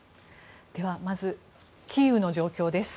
まずキーウの状況です。